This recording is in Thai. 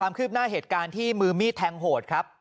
คืบหน้าเหตุการณ์ที่มือมีดแทงโหดครับ